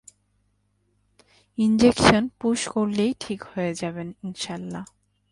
Injection push করলেই ঠিক হয়ে যাবেন ইনশাআল্লাহ।